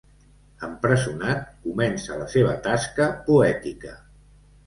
Empresonat, comença la seva tasca poètica.